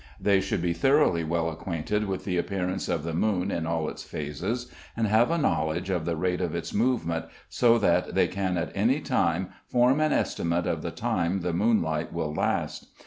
They should be thoroughly well acquainted with the appearance of the moon in all its phases, and have a knowledge of the rate of its movement, so that they can at any time form an estimate of the time the moonlight will last.